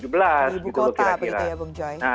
ibu kota berita ya bung joy